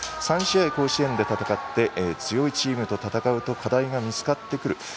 ３試合、甲子園で戦って強いチームと戦うと課題が見つかってくる。